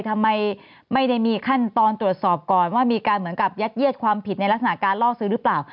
ทำไมไม่ได้มีขั้นตอนตรวจสอบก่อนว่ามีการเหมือนกับยัดเยียดความผิดในลักษณะการล่อซื้อหรือเปล่า